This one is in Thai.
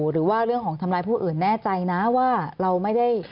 หรือว่าเรื่องของทำร้ายผู้อื่นแน่ใจนะว่าเราไม่ได้